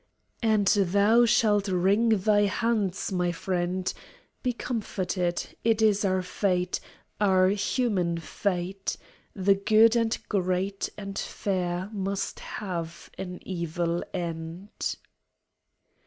And thou shalt wring thy hands, my friend. Be comforted! it is our fate, Our human fate, the good and great And fair must have an evil end.